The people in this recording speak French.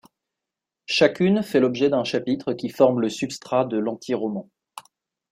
Chacune fait l'objet d'un chapitre qui forme le substrat de l'antiroman.